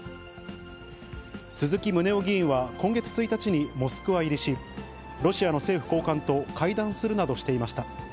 鈴木宗男議員は今月１日にモスクワ入りし、ロシアの政府高官と会談するなどしていました。